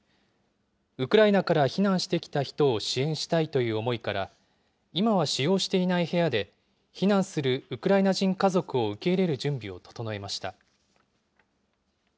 ウクライナから避難してきた人を支援したいという思いから、今は使用していない部屋で、避難するウクライナ人家族を受け入れる準備を整えました。